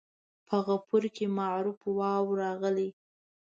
په غفور کې معروف واو راغلی.